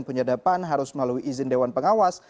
penyadapan harus melalui izin dewan pengawas